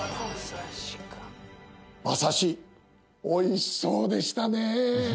馬刺し美味しそうでしたね。